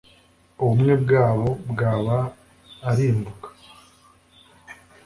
ubumwe bwabo bwaba arimbuka